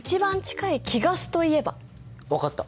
分かった。